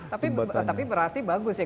tapi berarti bagus ya